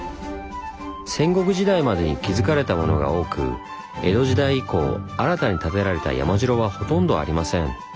戦国時代までに築かれたものが多く江戸時代以降新たに建てられた山城はほとんどありません。